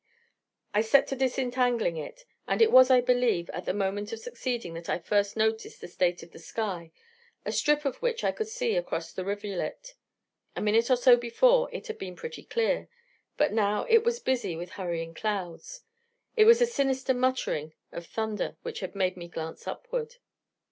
I set to disentangling it: and it was, I believe, at the moment of succeeding that I first noticed the state of the sky, a strip of which I could see across the rivulet: a minute or so before it had been pretty clear, but now was busy with hurrying clouds. It was a sinister muttering of thunder which had made me glance upward.